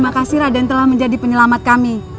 terima kasih raden telah menjadi penyelamat kami